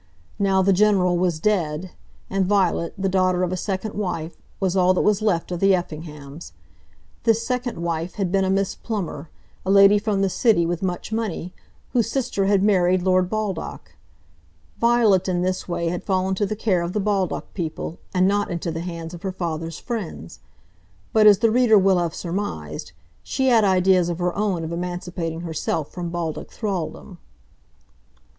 Now the General was dead, and Violet, the daughter of a second wife, was all that was left of the Effinghams. This second wife had been a Miss Plummer, a lady from the city with much money, whose sister had married Lord Baldock. Violet in this way had fallen to the care of the Baldock people, and not into the hands of her father's friends. But, as the reader will have surmised, she had ideas of her own of emancipating herself from Baldock thraldom.